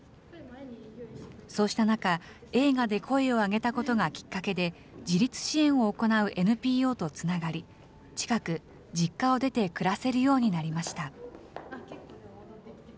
そうした中、映画で声を上げたことがきっかけで、自立支援を行うＮＰＯとつながり、近く実家を出て暮らせるようになりました。